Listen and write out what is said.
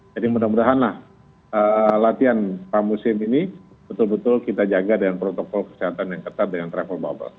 jadi mudah mudahanlah latihan pamusim ini betul betul kita jaga dengan protokol kesehatan yang ketat dengan travel bubble